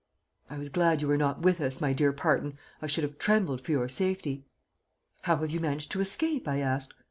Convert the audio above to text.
"I was glad you were not with us, my dear Parton. I should have trembled for your safety. "'How have you managed to escape?' I asked.